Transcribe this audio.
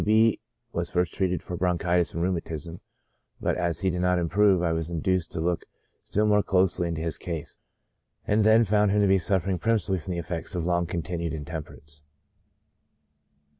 W. B — was first treated for bronchitis and rheumatism, but as he did not improve, I was induced to look still more closely into his case, and then found him to be suffering principally from the effects of long continued intemperance.